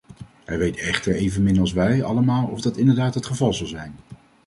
Hij weet echter evenmin als wij allemaal of dat inderdaad het geval zal zijn.